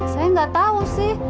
saya gak tau sih